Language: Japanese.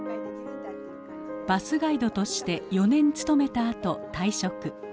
バスガイドとして４年勤めたあと退職。